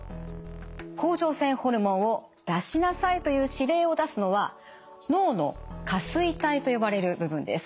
甲状腺ホルモンを出しなさいという指令を出すのは脳の下垂体と呼ばれる部分です。